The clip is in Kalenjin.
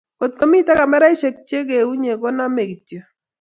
Kotko mito Kameraishek che keunye ko kinamei kityo